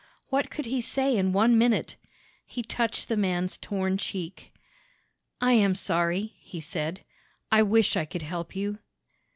What could he say in one minute? He touched the man's torn cheek. "I am sorry," he said. "I wish I could help you."